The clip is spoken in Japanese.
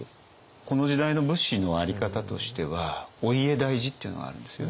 この時代の武士のあり方としてはお家大事っていうのがあるんですよね。